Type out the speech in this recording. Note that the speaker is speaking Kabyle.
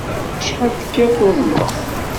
Acḥal tekkiḍ tuḍneḍ?